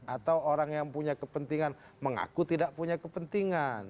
atau orang yang punya kepentingan mengaku tidak punya kepentingan